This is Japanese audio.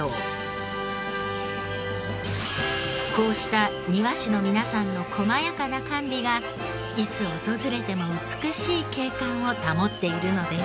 こうした庭師の皆さんの細やかな管理がいつ訪れても美しい景観を保っているのです。